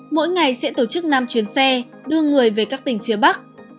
mỗi ngày sẽ tổ chức năm chuyến xe đưa người về các tỉnh phía bắc